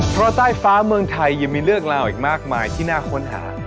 เพราะใต้ฟ้าเมืองไทยยังมีเรื่องราวอีกมากมายที่น่าค้นหา